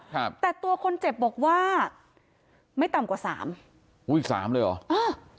ครับแต่ตัวคนเจ็บบอกว่าไม่ต่ำกว่าสามอุ้ยสามเลยเหรออ่า